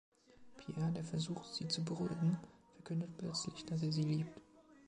Pierre, der versucht, sie zu beruhigen, verkündet plötzlich, dass er sie liebt.